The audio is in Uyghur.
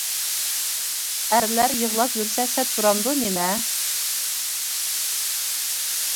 ئەرلەر يىغلاپ يۈرسە سەت تۇرامدۇ نېمە؟ .